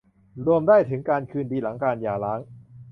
รวมได้ถึงการคืนดีหลังการหย่าร้าง